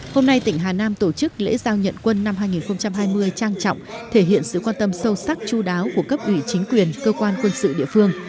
hôm nay tỉnh hà nam tổ chức lễ giao nhận quân năm hai nghìn hai mươi trang trọng thể hiện sự quan tâm sâu sắc chú đáo của cấp ủy chính quyền cơ quan quân sự địa phương